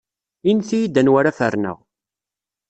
Init-iyi-d anwa ara ferneɣ.